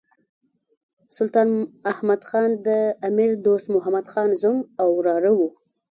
سلطان احمد خان د امیر دوست محمد خان زوم او وراره وو.